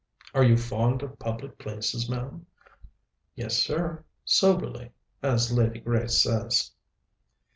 Are you fond of public places, ma'am?" "Yes, sir, soberly, as Lady Grace says."